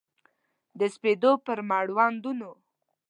د سپېدو پر مړوندونو